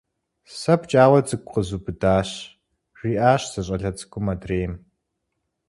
Сэ пкӏауэ цӏыкӏу къзубыдащ! – жриӏащ зы щӏалэ цӏыкӏум адрейм.